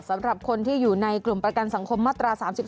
สำหรับคนที่อยู่ในกลุ่มประกันสังคมมาตรา๓๒